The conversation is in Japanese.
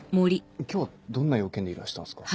今日はどんな用件でいらしたんですか？